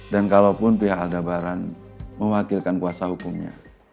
dan kalaupun pihak aldabaran mewakilkan kuasa hukumnya